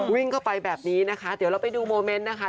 วิ่งเข้าไปแบบนี้นะคะเดี๋ยวเราไปดูโมเมนต์นะคะ